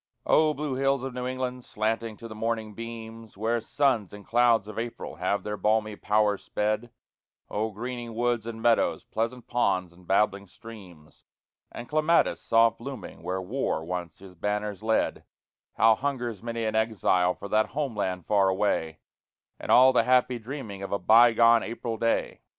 Oh, blue hills of New England, slanting to the morning beams Where suns and clouds of April have their balmy power sped; Oh, greening woods and meadows, pleasant ponds and babbling streams, And clematis soft blooming where War once his banners led; How hungers many an exile for that homeland far away, And all the happy dreaming of a bygone April day!